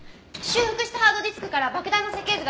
修復したハードディスクから爆弾の設計図が出ました。